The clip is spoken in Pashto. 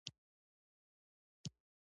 ځینې محصلین د مطالعې پر مهال موبایل کاروي.